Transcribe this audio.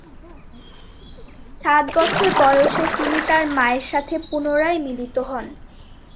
সাত বছর বয়সে তিনি তার মায়ের সাথে পুনরায় মিলিত হন।